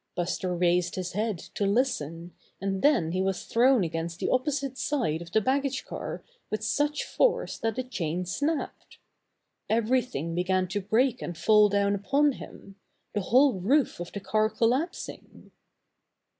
Buster raised his head to listen, and then he was thrown against the opposite side of the baggage car with such force that the chain snapped. Everything be gan to break and fall down upon him, the whole roof of the car collapsing.